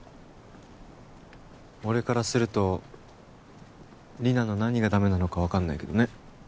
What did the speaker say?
俺からするとリナの何がダメなのか分かんないけどね。